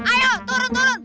ayo turun turun